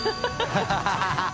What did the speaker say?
ハハハ